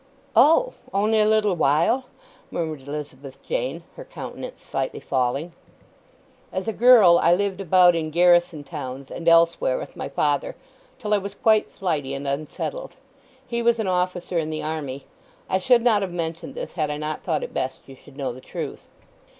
"Oh—only a little while?" murmured Elizabeth Jane, her countenance slightly falling. "As a girl I lived about in garrison towns and elsewhere with my father, till I was quite flighty and unsettled. He was an officer in the army. I should not have mentioned this had I not thought it best you should know the truth."